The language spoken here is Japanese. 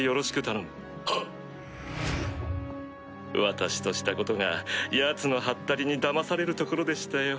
私としたことがヤツのはったりに騙されるところでしたよ。